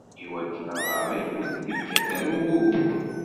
Iwakken aḍar-ik ur t-ikkat ara wugur.